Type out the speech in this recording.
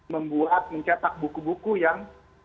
membuat mencetak buku buku yang